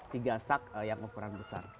tiga sak yang ukuran besar